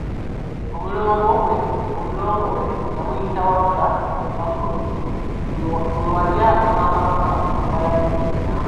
Omulongo we yamuyita Wamala, amakulu nti bwe walya obwakabaka wamalayo byonna.